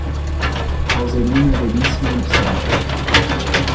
Alzerina Verissimo dos Santos